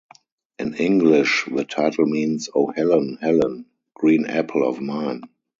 In English the title means "Oh, Helen, Helen, green apple of mine".